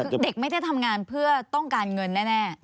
คือเด็กไม่ได้ทำงานเพื่อต้องการเงินแน่